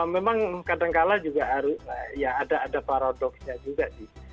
memang kadangkala juga ada paradoksnya juga